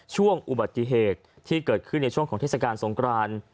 ช่วงอุบัติเหตุที่เกิดขึ้นในช่วงของเทศกาลสงคราน